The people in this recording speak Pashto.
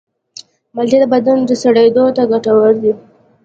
مالټې د بدن سړېدو ته ګټورې دي.